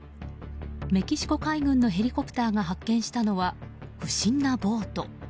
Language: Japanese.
メキシコ海軍のヘリコプターが発見したのは不審なボート。